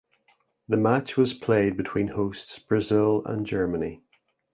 The match was played between hosts Brazil and Germany.